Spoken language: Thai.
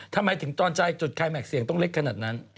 ทำไมถึงตอนใจจุดคลายแม็กซเสียงต้องเล็กขนาดนั้น